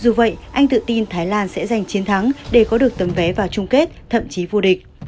dù vậy anh tự tin thái lan sẽ giành chiến thắng để có được tấm vé vào chung kết thậm chí vô địch